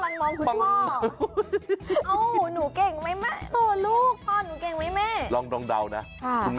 น้องพ่อกำลังลองคุณพ่อ